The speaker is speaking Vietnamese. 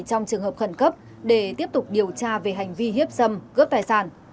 trong trường hợp khẩn cấp để tiếp tục điều tra về hành vi hiếp xâm gớp tài sản